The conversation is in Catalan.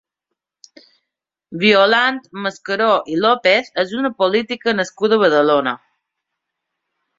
Violant Mascaró i López és una política nascuda a Badalona.